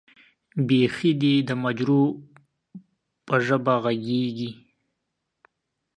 بېخي دې د مجروح به ژبه غږېږې.